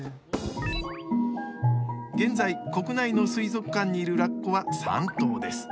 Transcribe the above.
現在、国内の水族館にいるラッコは３頭です。